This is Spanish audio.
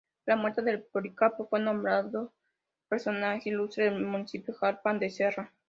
A la muerte de Policarpo, fue nombrado Personaje Ilustre del Municipio Jalpan de Serra.